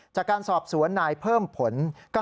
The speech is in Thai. จากการสอบสวนนายเพิ่มผล